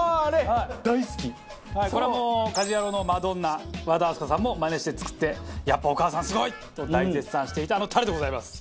はいこれもう家事ヤロウのマドンナ和田明日香さんもマネして作って「やっぱお義母さんすごい！」と大絶賛していたあのタレでございます。